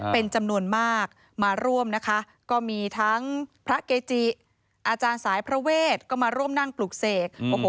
ก็มาร่วมนั่งปลุกเสก